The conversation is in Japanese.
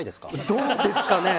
どうですかね。